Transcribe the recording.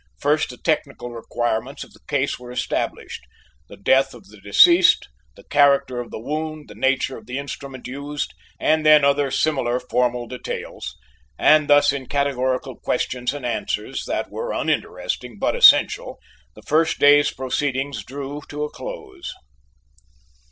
First the technical requirements of the case were established: the death of the deceased, the character of the wound, the nature of the instrument used, and then other similar formal details; and thus in categorical questions and answers that were uninteresting, but essential, the first day's proceedings drew to a close.